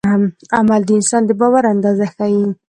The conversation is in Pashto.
عمل د انسان د باور اندازه ښيي.